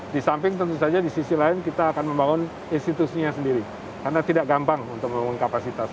di samping tentu saja di sisi lain kita akan membangun institusinya sendiri karena tidak gampang untuk membangun kapasitas